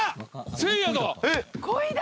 せいやだ！